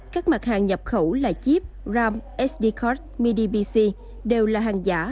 các mặt hàng nhập khẩu là chip ram sd card midi pc đều là hàng giả